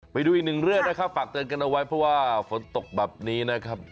ไปดูอีกหนึ่งเรื่องนะครับฝากเตือนกันเอาไว้เพราะว่าฝนตกแบบนี้นะครับ